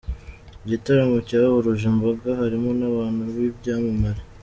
Igitaramo cyahuruje imbaga harimo n'abantu b'ibyamamare.